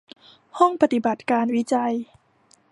ห้องปฏิบัติการวิจัย